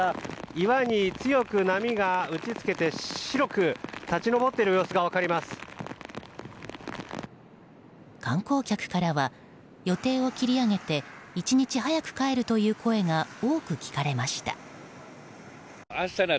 岩に強く波が打ち付けて白く立ち上っている様子が観光客からは予定を切り上げて１日早く帰るという声が多く聞かれました。